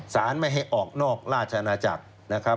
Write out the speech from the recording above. สารไม่ให้ออกนอกราชอาณาจักรนะครับ